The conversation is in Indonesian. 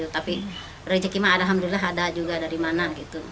tapi rezeki mereka alhamdulillah ada juga dari mana